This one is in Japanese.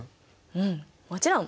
うんもちろん。